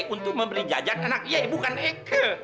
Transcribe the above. untuk membeli jajan anak iya bukan eke